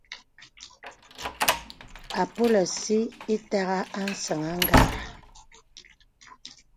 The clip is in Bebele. Àpōlə̀ sī itàgha a səŋ àgara.